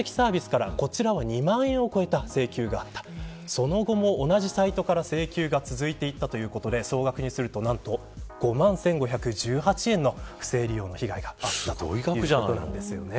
その後も同じサイトから請求が続いていたということで総額で５万１５１８円の不正利用の被害があったそうです。